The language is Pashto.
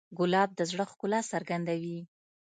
ګلاب د زړه ښکلا څرګندوي.